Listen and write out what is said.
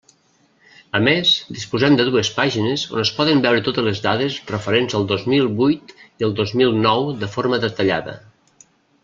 A més, disposem de dues pàgines on es poden veure totes les dades referents al dos mil vuit i al dos mil nou de forma detallada.